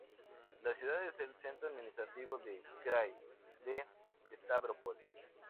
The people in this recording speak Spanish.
La ciudad es el centro administrativo de krai de Stávropol.